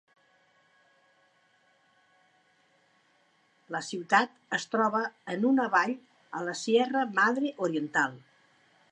La ciutat es troba en una vall a la Sierra Madre Oriental.